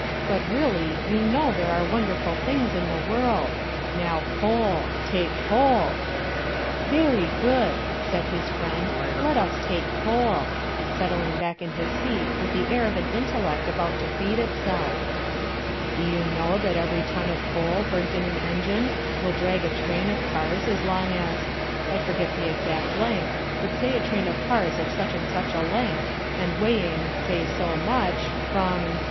"But really, you know there are wonderful things in the world. Now, coal ... take coal...." "Very, good," said his friend, "let us take coal," settling back in his seat with the air of an intellect about to feed itself. "Do you know that every ton of coal burnt in an engine will drag a train of cars as long as ... I forget the exact length, but say a train of cars of such and such a length, and weighing, say so much ... from